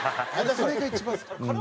それが一番好き。